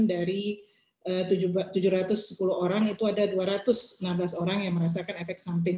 dari tujuh ratus sepuluh orang itu ada dua ratus enam belas orang yang merasakan efek samping